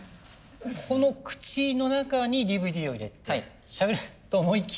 この口の中にＤＶＤを入れてしゃべると思いきや。